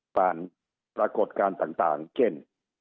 ปรากฏการณ์ต่างเช่น